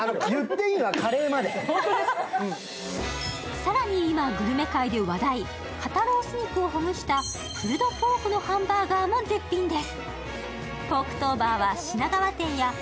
更に今グルメ界で話題、肩ロース肉をほぐしたプルドポークのハンバーガーも絶品です。